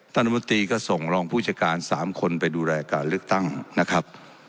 รัฐมนตรีก็ส่งรองผู้จัดการ๓คนไปดูแลการเลือกตั้งนะครับ